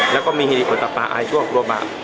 แล้วก็มีฮิติอุตปะอายชั่วโครบาป